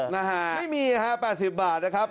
ไม่มีครับ๘๐บาทนะครับ